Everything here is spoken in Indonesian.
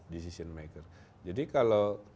decision maker jadi kalau